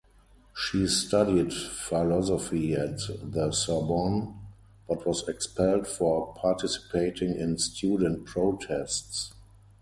She studied philosophy at the Sorbonne, but was expelled for participating in student protests.